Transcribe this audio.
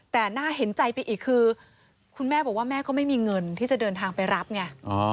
แต่น่าเห็นใจไปอีกคือคุณแม่บอกว่าแม่ก็ไม่มีเงินที่จะเดินทางไปรับไง